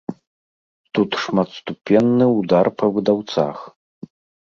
Тут шматступенны ўдар па выдаўцах.